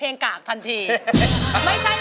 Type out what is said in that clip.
ร้องได้ให้ร้อง